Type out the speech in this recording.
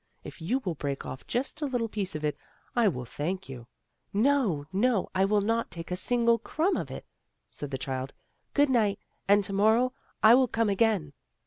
If you will break off just a little piece of it, I will thank youl" "No, no, I will not take a single crumb of it," said the child. "Good night, and to morrow I will come again!"